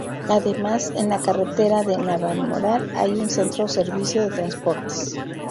Además, en la carretera de Navalmoral hay un Centro Servicio de Transportes.